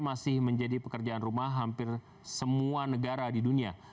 masih menjadi pekerjaan rumah hampir semua negara di dunia